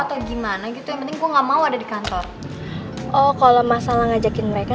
atau gimana gitu yang penting aku nggak mau ada di kantor oh kalau masalah ngajakin mereka